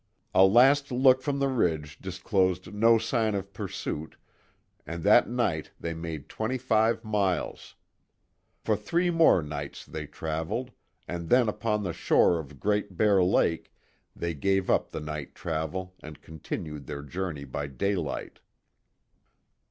A last look from the ridge disclosed no sign of pursuit, and that night they made twenty five miles. For three more nights they traveled, and then upon the shore of Great Bear Lake, they gave up the night travel and continued their journey by daylight.